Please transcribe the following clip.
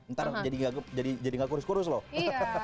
ntar jadi gak kurus kurus loh